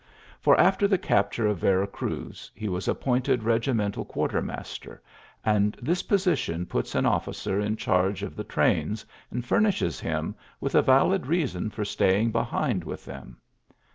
For after the capture of Vera Cruz he was appointed regimental quartermas ter ; and this position puts an officer in charge of the trains, and furnishes him with a valid reason for staying behind with them.